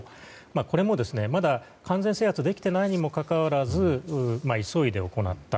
これも完全制圧ができていないにもかかわらず急いで行った。